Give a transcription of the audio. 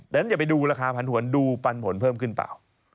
ดังนั้นอย่าไปดูราคาพันหวนดูปันผลเพิ่มขึ้นเปล่า